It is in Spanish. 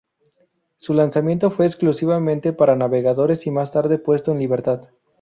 Su lanzamiento fue exclusivamente para navegadores y más tarde puesto en libertad.